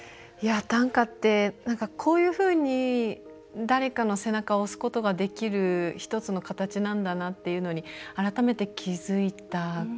短歌って、こういうふうに誰かの背中を押すことができる１つの形なんだなっていうのに改めて気付いた感じですね。